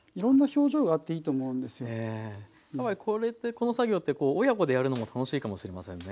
この作業って親子でやるのも楽しいかもしれませんね。